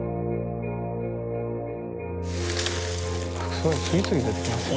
すごい次々出てきますよ。